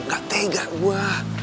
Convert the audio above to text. gak tega gue